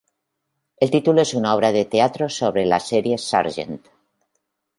El título es una obra de teatro sobre la serie "Sgt.